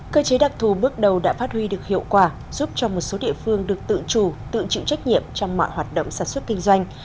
cơ chế đặc thù bước đầu đã phát huy được hiệu quả giúp cho một số địa phương được tự chủ tự chịu trách nhiệm trong mọi hoạt động sản xuất kinh doanh